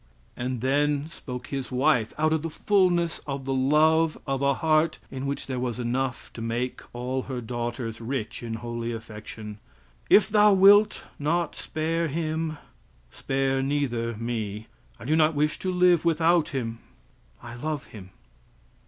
And then spoke his wife, out of the fullness of the love of a heart in which there was enough to make all her daughters rich in holy affection, "If thou wilt not spare him, spare neither me; I do not wish to live without him. I love him."